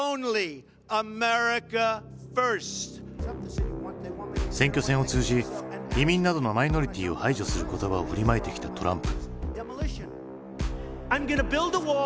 Ａｍｅｒｉｃａｆｉｒｓｔ．選挙戦を通じ移民などのマイノリティーを排除する言葉を振りまいてきたトランプ。